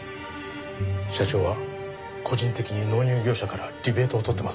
社長は個人的に納入業者からリベートを取ってます。